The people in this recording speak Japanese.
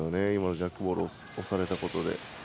ジャックボールを押されたことで。